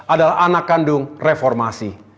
adalah anak kandung reformasi